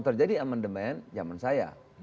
terjadi amandemen zaman saya